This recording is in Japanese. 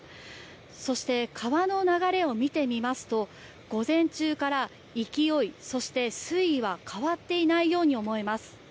そして、川の流れを見てみますと午前中から勢い、水位は変わっていないように思えます。